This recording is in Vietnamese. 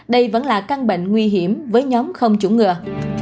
đây vẫn là căn bệnh nguy hiểm với nhóm không chủng ngừa